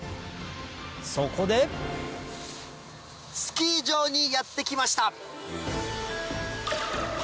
そこでスキー場にやって来ました！